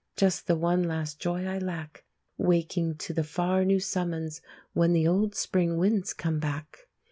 Just the one last joy I lack, Waking to the far new summons, When the old spring winds come back.